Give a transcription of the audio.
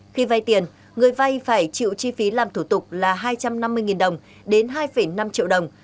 khi vay tiền người vay phải chịu chi phí làm thủ tục là hai trăm năm mươi đồng đến hai năm triệu đồng